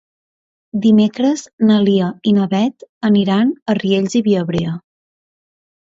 Dimecres na Lia i na Beth aniran a Riells i Viabrea.